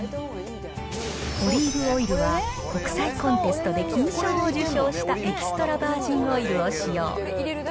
オリーブオイルは、国際コンテストで金賞を受賞したエキストラバージンオイルを使用。